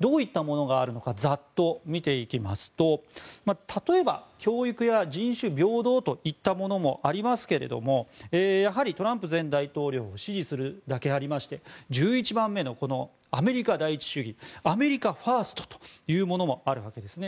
どういったものがあるのかざっと見ていきますと例えば、教育や人種平等といったものもありますがやはりトランプ前大統領支持するだけありまして１１番目のアメリカ第一主義アメリカファーストというものもあるわけです。